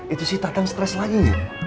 itu si tatang stres lagi